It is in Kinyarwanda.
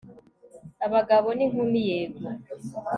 abagabo n'inkumi - yego